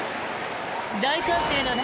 大歓声の中